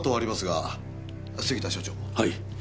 はい。